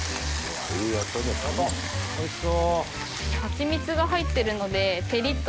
あおいしそう。